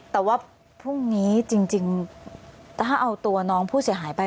แต่ว่าพรุ่งนี้จริงถ้าเอาตัวน้องผู้เสียหายไป